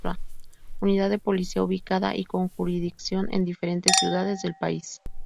Unidad de Policía ubicada y con jurisdicción en diferentes ciudades del país.